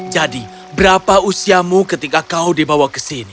jadi berapa usiamu ketika kau dibawa ke sini